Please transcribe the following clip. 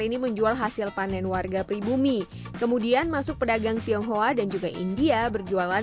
ini menjual hasil panen warga pribumi kemudian masuk pedagang tionghoa dan juga india berjualan